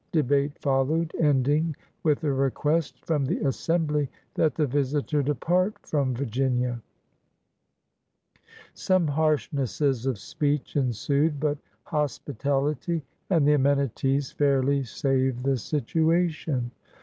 Debate followed, ending with a request from the Assembly that the visitor depart from Virginia. Some harshnesses of speech ensued, but hospitality and the amenities fairly saved the situation.